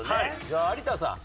じゃあ有田さん。